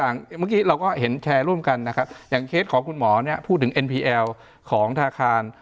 เนี่ยใช่ไหมครับผมว่าหลายอย่าง